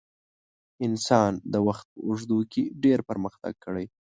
انسان د وخت په اوږدو کې ډېر پرمختګ کړی.